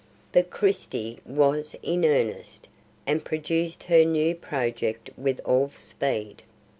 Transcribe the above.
But Christie was in earnest, and produced her new project with all speed.